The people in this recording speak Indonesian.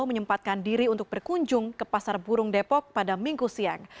menyempatkan diri untuk berkunjung ke pasar burung depok pada minggu siang